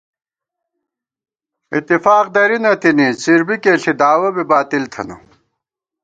اِتِفاق درِی نہ تِنی، څِر بِکےݪی داوَہ بی باطل تھنہ